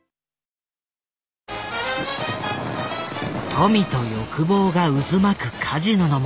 富と欲望が渦巻くカジノの街